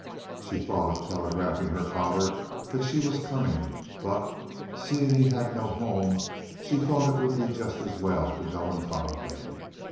She thought of telegraphing her father that she was coming; but, seeing he had no home, she thought it would be just as well to go and find him.